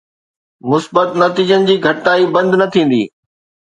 ، مثبت نتيجن جي گهڻائي بند نه ٿيندي.